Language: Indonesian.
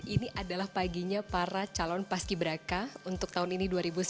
ini adalah paginya para calon paski beraka untuk tahun ini dua ribu sembilan belas